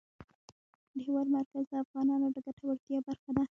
د هېواد مرکز د افغانانو د ګټورتیا برخه ده.